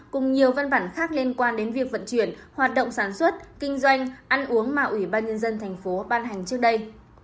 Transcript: cùng nhiều văn bản khác liên quan đến việc vận chuyển hoạt động sản xuất kinh doanh ăn uống mà ủy ban nhân dân thành phố ban hành trước đây